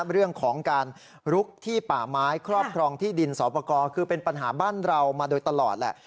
เรื่องของการลุกที่ป่าไม้ครอบครองที่ดินสอปกรคือเป็นปัญหาบ้านเรามาโดยตลอดแหละ